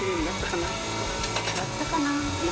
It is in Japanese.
なったかな？